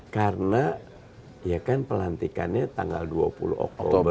karena ya kan pelantikannya tanggal dua puluh oktober